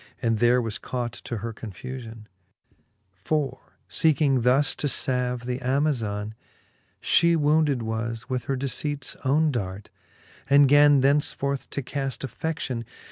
And there was caught to her confufion; For feeking thus to lalve the Amazon, She wounded was with her deceipts owne dart, And gan thenceforth to caft affe6i:ion.